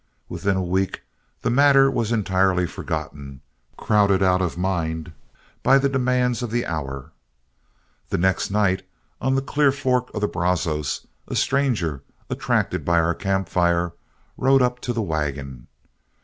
Within a week the matter was entirely forgotten, crowded out of mind by the demands of the hour. The next night, on the Clear Fork of the Brazos, a stranger, attracted by our camp fire, rode up to the wagon.